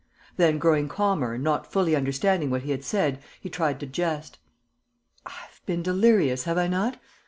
Then, growing calmer and not fully understanding what he had said, he tried to jest: "I have been delirious, have I not?